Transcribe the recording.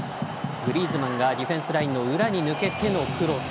グリーズマンがディフェンスラインの裏に抜けてのクロス。